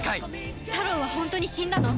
タロウは本当に死んだの？